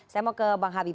saya mau ke bang habib